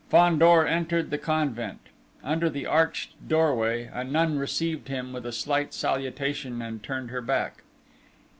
Fandor entered the convent. Under the arched doorway, a nun received him with a slight salutation, and turned her back.